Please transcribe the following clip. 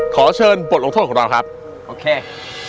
ขอเชิญบทลงโทษของเราครับโอเค